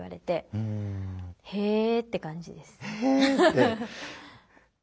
「へ」って感じです。